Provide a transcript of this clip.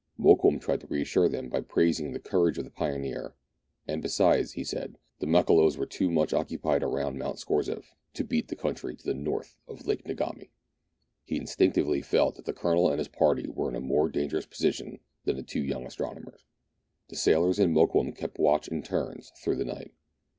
Mokoum tried to reassure them by praising the courage of the pioneer, and besides, he said, the Makololos were too much occupied around Mount .Scorzef to beat the country to the north of Lake Ngami. He instinctively felt that the Colonel and his party were in a more dangerous position than the two young astronomers. The sailors and Mokoum kept watch in turns through the night.